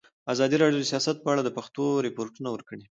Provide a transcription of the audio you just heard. ازادي راډیو د سیاست په اړه د پېښو رپوټونه ورکړي.